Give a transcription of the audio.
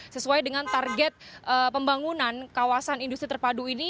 sesuai dengan target pembangunan kawasan industri terpadu ini